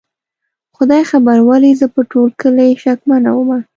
خدای خبر ولې زه په ټول کلي شکمنه ومه؟